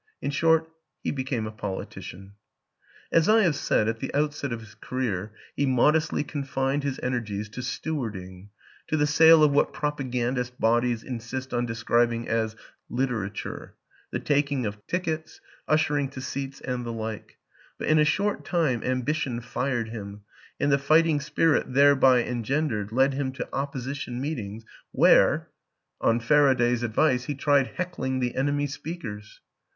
... In short, he became a poli tician. As I have said, at the outset of his career he modestly confined his energies to stewarding to the sale of what propagandist bodies insist on de scribing as " literature," the taking of tickets, ushering to seats and the like ; but in a short time ambition fired him and the fighting spirit thereby engendered led him to opposition meetings where, i8 WILLIAM AN ENGLISHMAN on Faraday's advice, he tried heckling the enemy speakers.